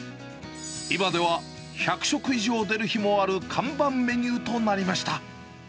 今では１００食以上出る日もある看板メニューとなりました。